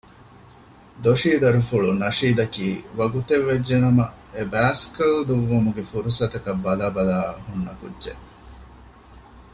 ދޮށީ ދަރިފުޅު ނަޝީދަކީ ވަގުތެއްވެއްޖެ ނަމަ އެ ބައިސްކަލް ދުއްވުމުގެ ފުރުސަތަކަށް ބަލަބަލާ ހުންނަ ކުއްޖެއް